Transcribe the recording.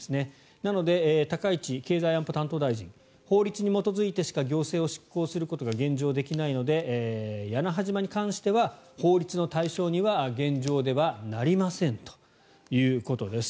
なので、高市経済安保担当大臣法律に基づいてしか行政を執行することが現状できないので屋那覇島に関しては法律の対象には現状ではなりませんということです。